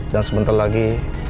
dan sebentar lagi